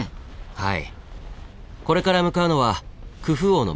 はい！